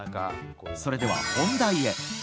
それでは、本題へ。